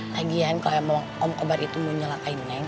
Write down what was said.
lagian kalau om komar itu mau nyalakain neng